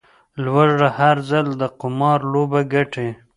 لوږه، هر ځل د قمار لوبه ګټي